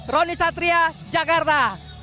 roni satria jakarta